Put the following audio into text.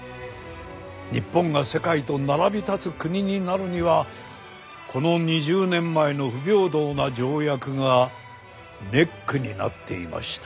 日本が世界と並び立つ国になるにはこの２０年前の不平等な条約がネックになっていました。